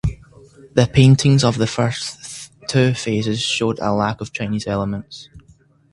The paintings of the first two phases showed a lack of Chinese elements.